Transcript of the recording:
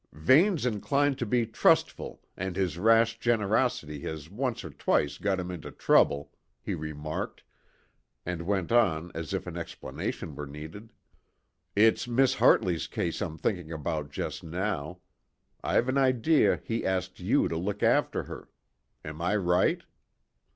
"Vane's inclined to be trustful and his rash generosity has once or twice got him into trouble," he remarked, and went on as if an explanation were needed: "It's Miss Hartley's case I'm thinking about just now. I've an idea he asked you to look after her. Am I right?"